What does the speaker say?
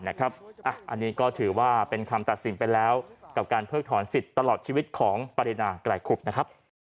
อันนี้ก็ถือว่าเป็นคำตัดสินไปแล้วกับการเพิกถอนสิทธิ์ตลอดชีวิตของปรินาไกลคุบนะครับ